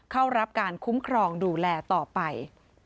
เข้ารับการคุ้มครองดูแลต่อไป